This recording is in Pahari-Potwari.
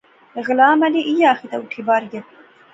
غلام علی ایہہ آخی تہ اٹھی باہر گیا